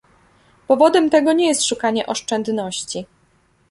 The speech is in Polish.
Powodem tego nie jest szukanie oszczędności